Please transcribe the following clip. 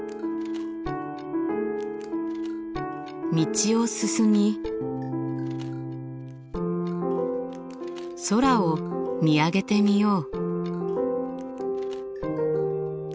道を進み空を見上げてみよう。